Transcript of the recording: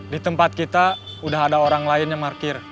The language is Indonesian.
di tempat kita udah ada orang lain yang parkir